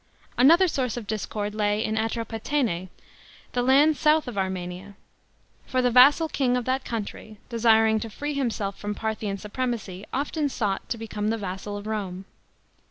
Another source of discord lay in Atropatene, the land south of Armenia ; for the vassal king of that country, desiring to free himself from Parthian supremacy, often sought to become the vassal of Rome.